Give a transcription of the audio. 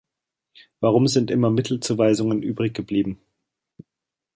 Warum sind immer Mittelzuweisungen übrig geblieben?